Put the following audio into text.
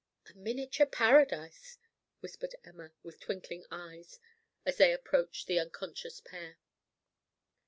"A miniature paradise," whispered Emma, with twinkling eyes, as they approached the unconscious pair.